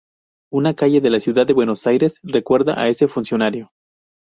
Una calle de la ciudad de Buenos Aires recuerda a este funcionario.